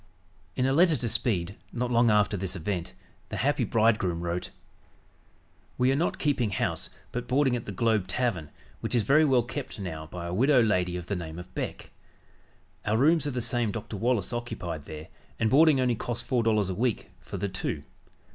In a letter to Speed, not long after this event, the happy bridegroom wrote: "We are not keeping house but boarding at the Globe Tavern, which is very well kept now by a widow lady of the name of Beck. Our rooms are the same Dr. Wallace occupied there, and boarding only costs four dollars a week (for the two).